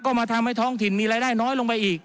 ก็มาทำให้ท้องถิ่นมีรายได้น้อยลงไปอีก